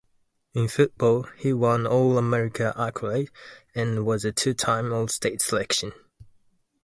In football, he won All-America accolades and was a two-time all-state selection.